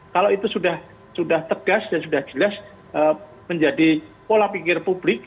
kalau itu sudah tegas dan sudah jelas menjadi pola pikir publik